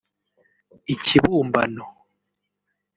Ikibumbano